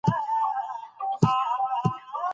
افغانستان د لعل په اړه مشهور تاریخی روایتونه لري.